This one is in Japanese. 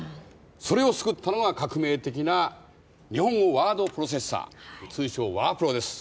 それを救ったのが革命的な日本語ワード・プロセッサー通称「ワープロ」です。